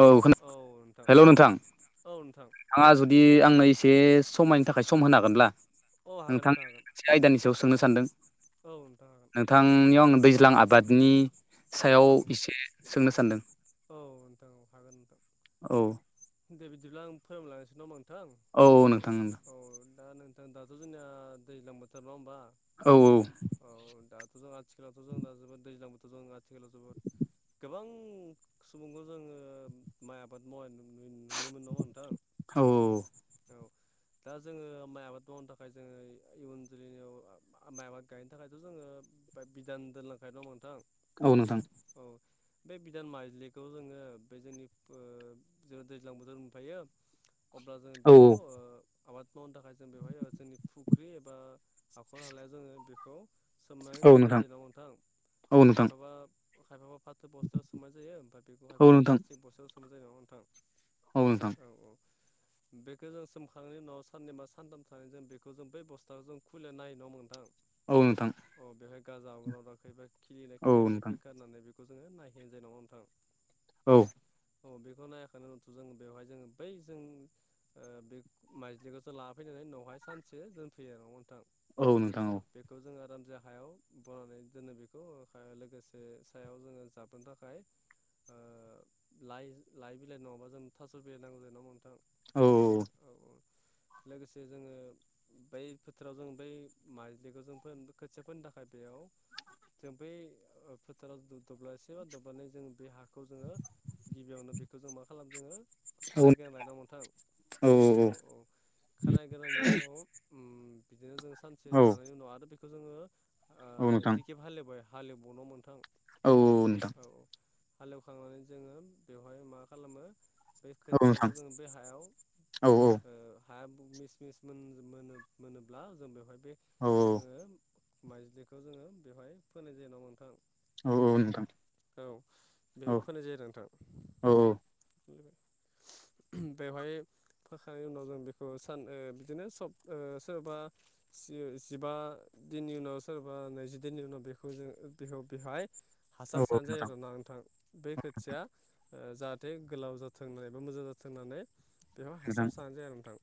औ खो हेल' नोंथां औ नोंथां आंहा जुदि आंनो एसे समायनि थाखाय सम होन हागोनब्ला अ हागोन नोंथांनि नोंथां हागोन मोनसे आयदानि सायाव सोंनो सानदों औ नोंथां औ नोंथांनियाव आं दैज्लां आबादनि सायाव हागोन एसे सोंनो सानदों औ नोंथां औ हागोन नोंथां औ दे बिदिब्ला आं फोरमलांसै दं नोंथां औ नोंथां उम औ दा नोंथां दाथ' जोंनिया दैज्लां बोथोर नङा होनोमबा औ औ औ दाथ' जों आथिखालावथ' जों दा जोबोद दैज्लांबोथ' जों आथिखालाव जोबोद गोबां सुबुंखौ जोंङो माइ आबाद मावनाय नुनो मोन नंङा नोंथां औ औ दा जोंङो माइ आबाद मावनो थाखाय जोंङो इयुन जोलैनियाव माइ आबाद गायनो थाखायथ' जोङो बिधान दोनलांखायोल' नोंथां औ नोंथां औ बे बिधान मायलिखौ जोंङो बे जोंनि ओ जोंङो दैज्लां बोथोर मोनफायो अब्ला जोंङो औ बेखौ आबाद मावनो थाखाय जों बेवहाय ओ जोंनि फुख्रि एबा हाखर हालाया जोङो बेखौ सोमनानै औ दोननाय नोंथां जायो नांगौ औ नोंथां नोंथां खायफाबा खायफाबा फाथो बस्थायाव सोमनाय जायो ओमफ्राय बेखौ औ खायफाबा नोंथां प्लास्टिक बस्थायाव सोमनाय जायो नामा नोंथां? औ नोंथां। औ औ। बेखो जों सोमखांनायनि उनाव साननै बा सानथाम थानानै जों बेखौ जों बै बस्थाखौ जों खुलिना नायो नङा होनबा नोंथां? औ नोंथां। अ बेहाय गाजा अरगोन ना अराखै बा खिलिदोंना औ खिलियाखै नोंथां बोखारनानै बेखौ जोंङो नायहैनाय जानाय नंङा होमबा नोंथां? औ। अ बेखौ नायखांनायनि उनावथ' जों बेवहाय जोंङो बै जों ओ बे माइज्लिखौसो लाना फैनायनै उनावहाय सानसे दोनफैयो आरो नङा होमबा नोंथां? औ नोंथां औ। बेखौ जोंङो आरामसे हायाव बनानै दोनो बेखौ लोगोसे सायाव जोंङो जाबनो थाखाय ओ लाइ लाइ बिलाइ नङाबा जोंनो थास' बिलाइ नांगौ जायो नङा होमबा नोंथां? औ। औ औ लोगोसे जोङो बै फोथाराव जों बै माइज्लिखौ जों फोनो खोथिया फोनो थाखाय बेयाव जों बै ओ फोथाराव द-दब्लसे बा दब्लायनै जों बे हाखौ जोङो गिबियावनो बेखौ जों मा खालामो जोङो औ खारायग्रोना लायो नङा होनबा नोंथां? औ औ खाराय ग्रोनायनि उनाव ओ बिदिनो जों सानसे औ थांनायनि उनाव आरो बे बेखौ जोङो ओ औ नोंथां नैथि खेब हालेवबाय हालेवबावो नङा होनबा नोंथां? औ औ नोंथां। औ औ हालेवखांनानै जोङो बेवहाय मा खालामो बे औ खोथियाखौ नोंथां जोङो बे हायाव औ औ। ओ हाया मिस मिस मोन-मोनो-मोनोब्ला जों बेवहाय बे जोङो माइज्लिखौ जोङो बेवहाय फोनाय जायो नङा होनबा नोंथां? औ नोंथां औ औ बेयाव फोनाय जायो आरो नोंथां। औ बेवहाय फोखांनायनि उनाव जों बेखौ सान ओ बिदिनो सब ओ सोरबा जि-जिबा दिननि उनाव सोरबा नैजि दिननि उनाव बेखौ जों बेखौ बेहाय हासार औ औ सारनाय जायो नोंथां आरोना नोंथां। बे खोथिया ओ जाहाथे गोलाव जाथों होननानै बा मोजां जाथों होननानै बेयाव हासार नोंथां सारनाय जायो आरो नोंथां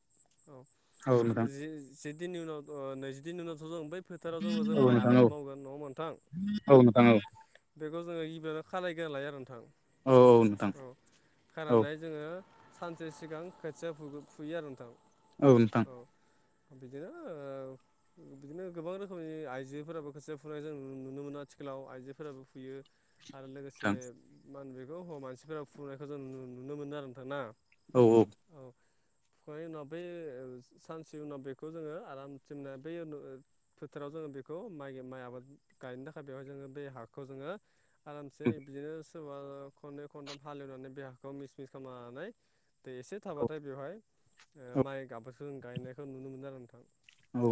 औ औ नोंथां जि जि दिननि उनावथ' ओ नैजिदिन उनावथ' जों बै फोथाराव जोङो जों औ माइ नोंथां आबाद औ मावगोन न'ङा होनबा नोंथां? औ नोंथां औ बेखौ जोङो गिबिनो खालायग्रोना लायो आरो नोंथां औ। औ खानानै जोंङो सानसे सिगां खोथिया फुगो-फुयो आरो नोंथां। औ बिदिनो ओ बिदिनो गोबां रोखोमनि आइजोफोराबो खोथिया फुनाय जों नुनो मोनो आथिखालाव आइजोफोराबो फुयो। आरो लोगोसे नोंथां मा होनो बेखौ हौवा मानसिफोरा फुनायखौ जों नुनो मोनो आरो नोंथां ना। औ औ। औ। फुखांनायनि उनाव बै ओ सानसे उनाव बेखौ जोङो आरामसे [unintelligible] बै फोथाराव जोङो बेखौ माइ माइ आबाद गायनो थाखाय बेवहाय जोङो बे हाखौ जोङो आरामसे बिदिनो औ खननै खनथाम हालेवनानै बे हाखौ मिस मिस खालामनानै दै एसे थाबाथाय बेवहाय औ ओ माइ [unintelligible] जों गायनायखौ नुनो मोनो आरो नोंथां। औ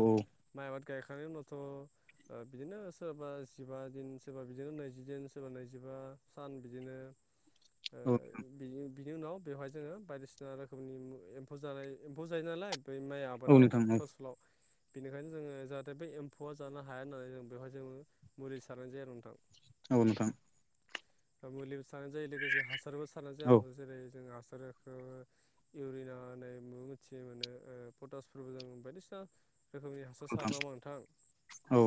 माइ आबाद गायखांनाय उनावथ' ओ बिदिनो सोरबा जिबा दिन सोरबा बिदिनो नैजिदिन सोरबा नैजिबा सान बिदिनो ओ औ बि-बिनि उनाव बेवहाय जोंङो बायदिसिना बिना रोखोमनि एम्फौ जानाय एम्फौ जायो नालाय बै माइ औ आबादाव नोंथां फसलाव बेनिखायनो जोङो जाहाथे बे एम्फौआ जानो हाया होननानै जों बेवहाय जोङो मुलि सारनाय जाया नोंथां। औ नोंथां। मुलिबो सारनाय जायो लोगोसे हासारबो सारनाय जायो औ न जेरै जों हासारखौ इउरिना होननानै मिथिनो मोनो पटासफोरबो जों बायदिसिना रोखोमनि सार सारो नंङा ओमबा नोंथां औ औ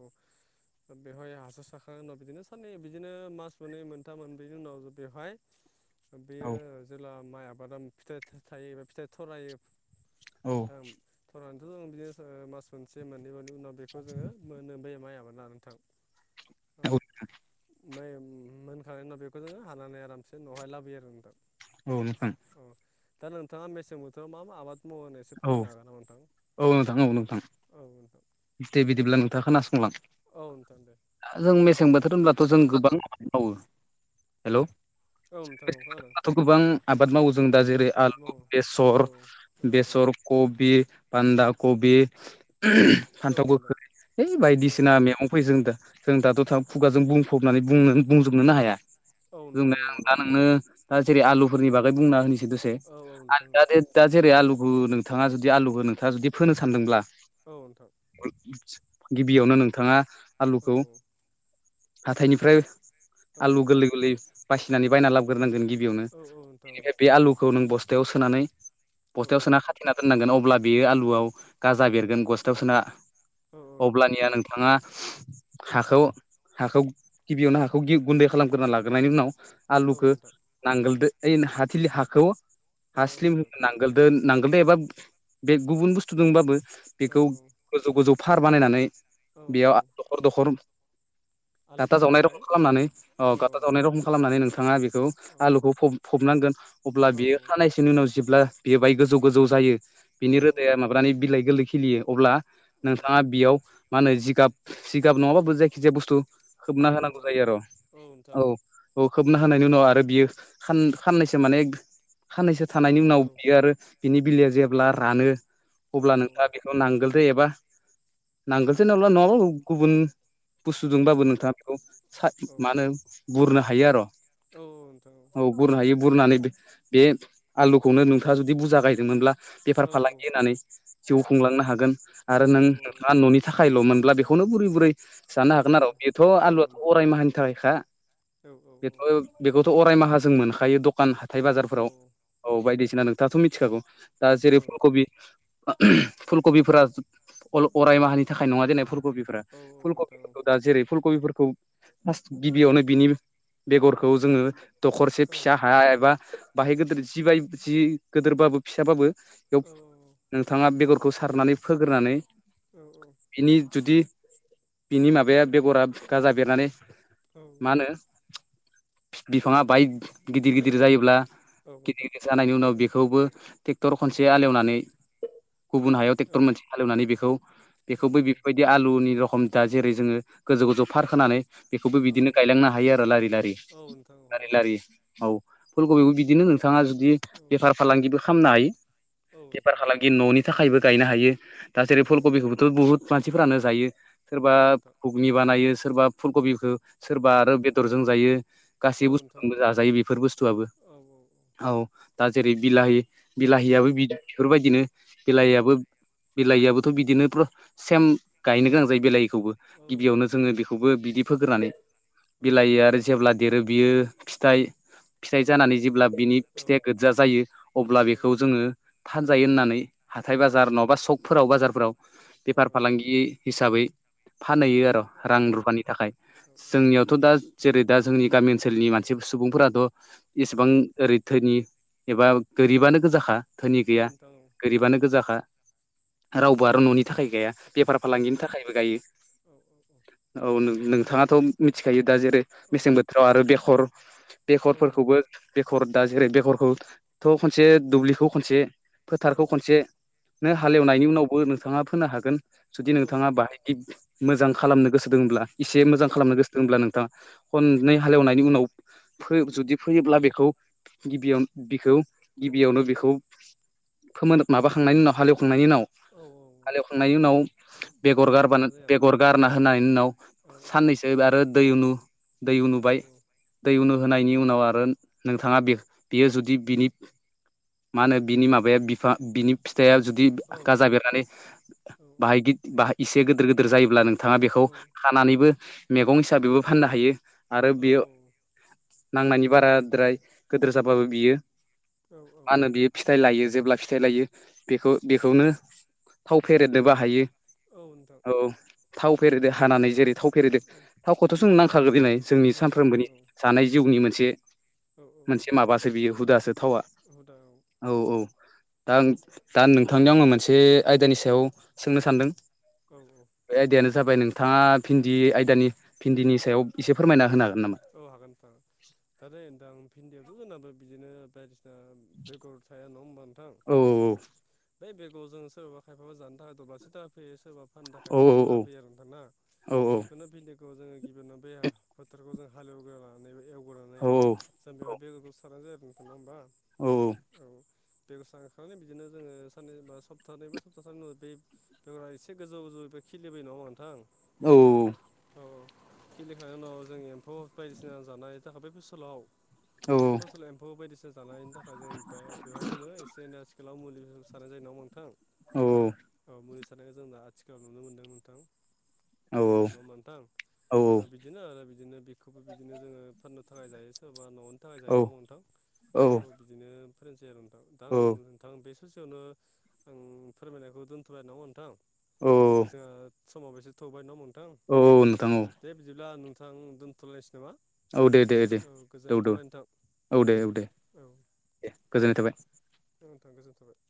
औ। बेवहाय हासार साखांनायनि उनाव बिदिनो साननै बिदिनो मास मोननै मोनथाम मोनब्रैनि उनाव बेवहाय औ बेयो जेला माइ आबादा फिथाइ थायो एबा फिथाइ थरायो थां थरनानैथ' ज बिदिनो मास मोनसे मोननैबनि उनाव बेखौ जोङो मोनो बे माइ आबादा नोंथां औ माइ मोनखांनाय उनाव बेखौ जोङो हानानै आरामसे न'आवहाय लाबोयो आरो नोंथां। औ नोंथां। अ दा नोंथाङा मेसें बोथोराव मा मा आबाद समाव होन एसे औ फोरमायनो हागोन नामा नोंथां औ नोंथां। दे बिदिब्ला नोंथाङा खोनासंलां। औ नोंथां दे। जों मेसें बोथोर होनब्लाथ' जों गोबां आबाद मावो। औ हेलौ औ नोंथां औ मेसें खोनादों। बोथोरावथ' गोबां आबाद मावो जों दा जेरै आबाद आलु मावो औ बेसर औ औ सर खबि बान्दा कबि औ फान्थाव नोंथां गोखै हैइ औ बायदिसिना नोंथां मैगं फै जों दा जों दाथ' थां खुगाजों बुंफबनानै बुं बुंजोबनोनो हाया। औ जोंनाय दा नोंनो दा जेरै आलुफोरनि बागै बुंना होनोसै दसे औ नोंथां दा दा जेरै आलु ओ नोंथाङा जुदि आलुखौ नोंथाङा जुदि फोनो सानदोंब्ला औ नोंथां। गिबियावनो नोंथाङा औ आलुखौ हाथायनिफ्राय औ आलु गोरलै गोरलै बासिनानै बायना लाबोग्रोनांगोन गिबियावनो औ नोंथां बेनि बे आलुखौ नों बस थायाव सोनानै औ बस्थायाव सोना नोंथां खाथिना दोननांगोन अब्ला बेयो आलुआव गाजा बेरगोन बस्थायाव सोना औ औ नोंथां औ नोंथां अब्लानिया नोंथाङा हाखौ हाखौ गिबियावनो हाखौ‌गुन्दै खालामग्रोना लाग्रोनायनि उनाव आलुखौ नांगोलदो ओइ हाथिलि हाखौ हा औ स्लिम होनो नांग नोंथां नांगोलदो नांगोलद एबा बे गुबुन बुस्थु दंबाबो औ बेखौ गोजौ गोजौ फार बानायनानै औ बेयाव दखर दखर गाथा आलुखौ गायनो जावनाय रखम थाखाय खालामनानै औ गाथा जावनाय रखम खालामनानै नोंथाङा बेखौ औ आलुखौ फ-फबनांगोन अब्ला औ बेयो खानायसोनि उनाव जेब्ला बे बाय गोजौ गोजौ जायो। बिनि औ रोदाया माबानि बिलाइ गोरलै खिलियो अब्ला औ नोंथां औ नोंथां औ नोंथां औ नोंथां औ नोंथां औ नोंथाङा बेयाव मा होनो जिगाब सिगाब नङाबाबो जायखि जाया बुस्थु होबना होनांगौ जायो आरो औ। औ खोबना होनायनि उनाव आरो बियो साननैसो माने साननैसो थानायनि उनाव बियो बिनि बिलाया जेब्ला रानो अब्ला नोंथाङा बेखौ नांगोलदो एबा नांगोलदो नंङाबाबो गुबुन बुस्तुजोंबाबो नोंथाङा बेखौ मा होनो बुरनो हायो आरो औ औ नोंथां औ बुरनो हायो बुरनानै बे आलुखौनो नोंथाङा जुदि बुरजा गायदोंमोनब्ला बेफार फालांगि होननानै जिउ खुंलांनो हागोन आरो नों नोंथाङा न'नि थाखायल' मोनब्ला बेखौनो बुरै बुरै जानो हागोन आरो बेथ' आलुआथ' अराय माहानि थाखायखा। बेथ' बेखौथ' अराय माहा जों मोनखायो द दखान हाथाय बाजारफोराव औ बायदिसिना नोंथाङाथ' मिथिखागौ दा जेरै फुलकबि फुलक'बिफोरा अराय माहानि थाखाय नङा दिनै फुलक'बि औ फुलकबि नोंथां दा जेरै फुल कबिफोरखौ फार्स्ट गिबियावनो बिनि बेगरखौ जोङो दखरसे औ फिसा हाया एबा बाहाय औ गिदिर जि बाय जि गिदेरबाबो फिसाबाबो बेयाव नोंथाङा बेगरखौ सारनानै फोग्रोनानै औ औ बिनि जुदि बिनि माबाया बेगरा गाजा बेरनानै औ मा होनो बिफाङा बाय औ गिदिर गिदिर जायोब्ला औ गिदिर नोंथां गिदिर जानायनि उनाव बेखौबो ट्रेक्टर खनसे आलेवनानै गुबुन हायाव औ ट्रेक्टर मोनसे हालेवनानै बेखौ औ बेखौ बै बेफोरबायदि बि आलुनि रखम दा जेरै जोङो गोजौ गोजौ फारखोनानै बेखौबो औ बिदिनो गायलांनो हायो आरो लारि लारि औ नोंथां औ लारि लारि औ फुल कबिबो बिदिनो नोंथाङा जुदि बेफार फालांगिबो खालामनो हायो औ नोंथां औ बेफार फालांगि न'नि थाखायबो गायनो हायो दा जेरै फुल कबिखौबो बुहुत मानसिफोरानो जायो सोरबा घुगनि बानायो सोरबा फुल कबिखौ सोरबा आरो बेदरजों जायो औ गासै नोंथां औ बुस्थुजोंबो जाजायो बेफोर बुस्थुआबो औ दा जेरै बिलाहि औ नोंथां औ बिलाहियाबबो बिदा बेफोरबायदिनो बिलाहियाबो बिलाइआबोथ' बिदिनो सेम गायनो गोनां जायो बिलाइिखौबो औ गिबियावनो जोङो बेखौबो बिदि फोग्रोनानै बिलाइया आरो जेब्ला देरो बियो फिथाइ फिथाइ जानानै जेब्ला बिनि फिथ गाजा जायो अब्ला बेखौ जोङो थानजायो होननानै हाथाय बाजार नङाबा सकफोराव बाजारफोराव बेफार फालांगि हिसाबै फानहैयो आरो रां रुफानि थाखाय जोंनियावथ' दा जेरै दा जोंनि गामि ओनसोलनि मानसि सुबुंफोराथ' इसेबां ओरैथोनि एबा गोरिबानो गोजाखा धोनि गैया गोरिबानो गोजाखा रावबो आरो न'नि थाखाय गाया बेफार फालांगिनि थाखायबो गायो औ नोंथाङाथ' मिथिखायो दा जेरै मेसें बोथोराव आरो बेसर नंगौ बेगरफोरखौबो बेगर दा जेरै बेगरखौथ' खनसे दुब्लिखौ खनसे औ फोथारखौ खनसेनो हालेवनायनि एवनानै उनावबो औ नोंथाङा फोनो हागोन जुदि नोंथाङा नोंथां बाहाय मोजां खालामनो गोसो दंब्ला एसे मोजां औ खालामनो गोसो होनब्ला नोंथाङा हननै हालेवनायनि उनाव जुदि फैयोब्ला बेखौ गिबियाव बिखौ गिबियावनो औ बेखौ फोमोन माबाखांनायनि उनाव हालेवखांनायनि उनाव औ औ हालेवखांनायनि उनाव ओमफ्राय बेगर बेगरखौ गारबानो सारनाय बेगर गारना होनायनि उनाव जायो आरोना साननैसो आरो दैमु दैमु औ नुबाय दै उन होनायनि उनाव आरो नोंथाङा बे बियो जुदि बिनि मा होनो बिनि माबाया बिफा बिनि फिथाइया जुदि औ गाजा बेरनानै बाहायदि बाहाय इसे गिदिर गिदिर जायोब्ला नों थाङा बेखौ औ खानानैबो मैगं हिसाबैबो फाननो हायो आरो औ बेयो नांनायनि बाराद्राय गोदोर जाबाबो बियो औ औ मा होनो बियो फिथाइ लायो जेब्ला फिथाइ लायो बेखौ बेखौनो थाव फेरेदनोबो हायो औ दा औ थाव फेरेदो हानानै जेरै थाव फेरेदों औ थावखौथ' जोंनो नांखागो दिनै जोंनि नांगौ नोंथां सानफ्रोमबोनि औ जानाय जिउनि नंगौ मोनसे औ औ औ मोनसे माबासो बियो हुदासो थावा औदा औ औ औ दा दा नोंथांनियाव आङो मोनसे आयदानि सायाव सोंनो सानदों औ औ। बे आयदायानो जाबाय नोंथाङा भिन्दि आयदानि भिन्दिनि सायाव एसे फोरमायना होनो हागोन नामा? औ हागोन नोथां दा दे नोंथां भिन्डिआबो जोंना बिदिनो बाय ओ बेगर थाया नङा होमबा नोंथां। औ बे बेगरजोंसो सोरबा खायफाबाबा जानो थाखाय दब्लायसे थाखा फोयो सोरबा फाननो थाखाय औ एसे बुरजा औ फैयो आरो नोंथां ना औ बेखौनो भिन्डिखौ जोङो गिबियावनो बे फोथोरखौ जों हालेवग्रोना लानानै एवग्रोनानै औ जों बेवहाय बेगरखौ सारनाय जायो आरो नोंथां नङा होमबा। औ। बेगर सारखांनानै बिदिनो जोङो साननैबा सप्तानै बा सप्ताथामनि उनाव बे बेगरा एसे गोजौ गोजौनिफ्राय खिलिबोयो नङा होमबा नोंथां? औ। औ खिलिखांनायनि उनाव जोंनि अ बायदिसिना जानायनि थाखाय बे फोसोलाव बे फोसलाव एम्फौ बायदिसिना जानायनि थाख ओ जों बे बेवहाय जोंबो एसे एनै आथिखालाव मुलि सानाय जायो नङा होमबा नोंथां? औ मुलि सारानायखौ जों दा आथिखालाव नुनो मोनदों नोंथां। न' होमबा नोंथां ओमफ्राय बिदिनो आरो बिदिनो खौबो बिदिनो जोङो फाननो थाखाय जायो सोरबा न'नि थाखाय जायो नङा होमबा नोंथां? बिदिनो फोनाय जायो आरो नोंथां दा आं औ नोंथां आं बे ससेयावनो आं फोरमायनायखौ दोनथ'बाय नङा नोंथां औ जोंहा समाव एसे थौबाय न' होमबा नोंथां। औ औ नोंथां औ। दे बिदिब्ला नोंथां दोन्थ'लायनोसै नामा? औ दे दे दे औ दौ गोजोननाय दौ थाबाय नोंथां औ दे औ दे दे गोजोननाय थाबाय। नोंथों गोजोन थाबाय।